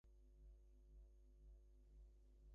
"Greetings from Imrie House" received mixed reviews.